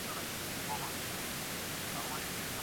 ولي مدام هڅاند د لایق کس په پرتله ښه ځلېږي؟